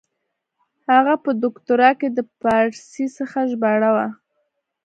هغه په دوکتورا کښي د پاړسي څخه ژباړه وه.